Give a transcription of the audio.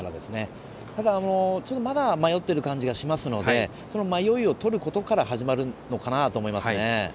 まだ迷っている感じがするのでその迷いをとることから始まるのかなと思います。